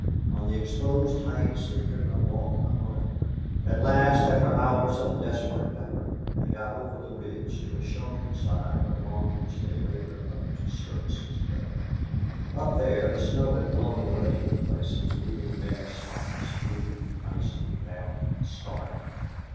On the exposed heights they could not walk upright. At last, after hours of desperate effort, they got over the ridge to a sheltered side along which they labored up to Service's dugout. Up there the snow had blown away in places, leaving bare spots, bleak, icy, barren, stark.